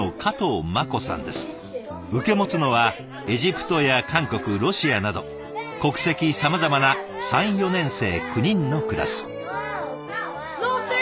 受け持つのはエジプトや韓国ロシアなど国籍さまざまな３４年生９人のクラス。